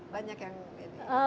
banyak yang ini